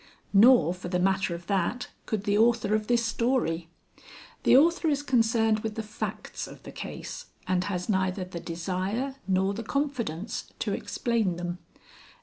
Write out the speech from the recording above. Nor for the matter of that could the author of this story. The author is concerned with the facts of the case, and has neither the desire nor the confidence to explain them.